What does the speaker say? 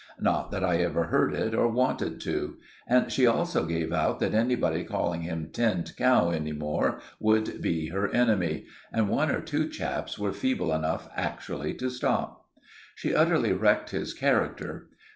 Not that I ever heard it, or wanted to. And she also gave out that anybody calling him Tinned Cow any more would be her enemy; and one or two chaps were feeble enough actually to stop. She utterly wrecked his character.